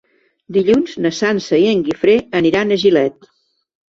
Dilluns na Sança i en Guifré aniran a Gilet.